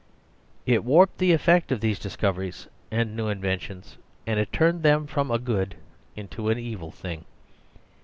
It warped the effect of these discoveries and new inventions, and it turned them from a good into an evil thing.